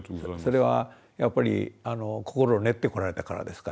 それはやっぱり心練ってこられたからですかね。